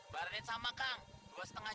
bayarin sama kang dua lima juta